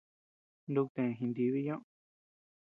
Nuku të jintibi ñoʼö.